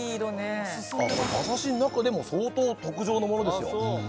これ馬刺しの中でも相当特上のものですよ。